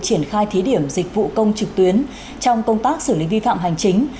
triển khai thí điểm dịch vụ công trực tuyến trong công tác xử lý vi phạm hành chính